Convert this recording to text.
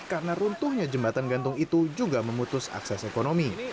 karena runtuhnya jembatan gantung itu juga memutus akses ekonomi